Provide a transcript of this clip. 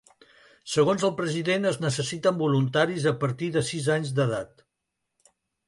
Segons el president es necessiten voluntaris a partir de sis anys d’edat.